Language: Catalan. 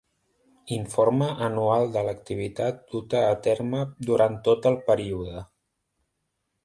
Informe anual de l'activitat duta a terme durant tot el període.